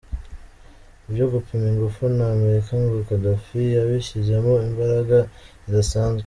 Ibyo gupima ingufu na Amerika ngo Gaddafi yabishyizemo imbaraga zidasanzwe.